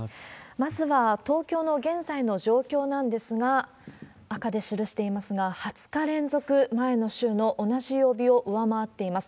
まずは東京の現在の状況なんですが、赤で記していますが、２０日連続前の週の同じ曜日を上回っています。